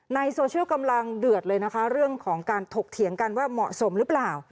ในโซเชียลกำลังเดือดเลยนะคะเรื่องของการถกเถียงกันว่าเหมาะสมหรือเปล่า